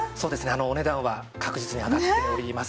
あのお値段は確実に上がっております。